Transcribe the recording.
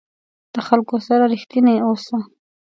د خلکو سره رښتینی اوسه.